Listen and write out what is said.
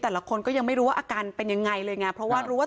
แต่ละคนก็ยังไม่รู้ว่าอาการเป็นยังไงเลยไงเพราะว่ารู้ว่า